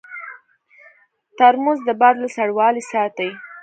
ترموز د باد له سړوالي ساتي.